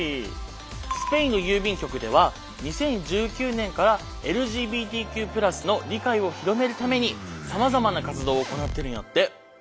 スペインの郵便局では２０１９年からＬＧＢＴＱ＋の理解を広めるためにさまざまな活動を行ってるんやって！